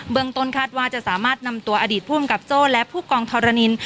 เมืองต้นคาดว่าจะสามารถนำตัวอดีตภูมิกับโจ้และผู้กองทรนิน